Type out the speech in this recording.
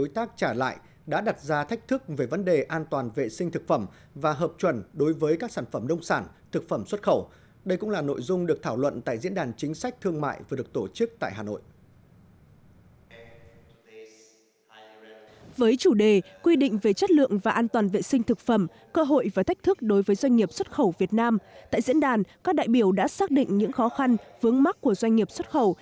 tại diễn đàn các đại biểu đã xác định những khó khăn vướng mắc của doanh nghiệp xuất khẩu